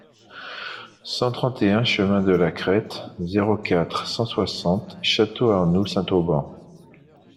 cent trente et un chemin de la Crête, zéro quatre, cent soixante, Château-Arnoux-Saint-Auban